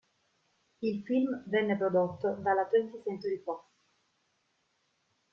Il film venne prodotto dalla Twentieth Century Fox.